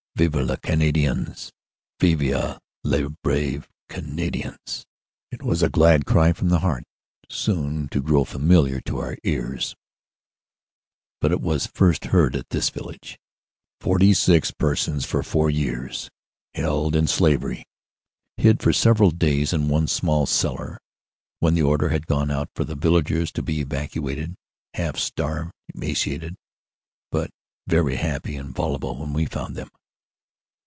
"Vive les Canadiens! Vive les braves Canadiens!" it was a glad cry from the heart soon to grow familiar to our ears, but it was first heard at this village. Forty six persons, for four years held in slavery, hid for sev eral days in one small cellar when the order had gone out for the villagers to be evacuated. Half starved, emaciated, but very happy and voluble we found them.